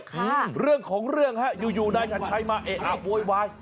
ค่ะเรื่องของเรื่องฮะอยู่นายกันใช้มาเอ๊ะอ้าวโว๊ยวาย